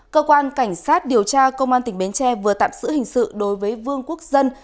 cơ quan cảnh sát điều tra công an tỉnh bến tre vừa tạm giữ hình sự đối với vương quốc dân